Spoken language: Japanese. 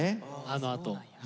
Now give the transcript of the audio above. あのあと。